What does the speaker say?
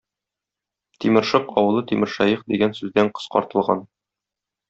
Тимершык авылы Тимершәех дигән сүздән кыскартылган.